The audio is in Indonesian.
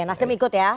nasdem ikut ya